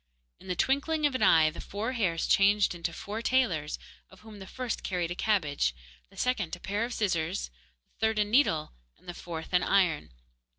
In the twinkling of an eye the four hairs changed into four tailors, of whom the first carried a cabbage, the second a pair of scissors, the third a needle, and the fourth an iron.